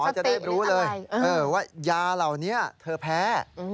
จะได้รู้เลยว่ายาเหล่านี้เธอแพ้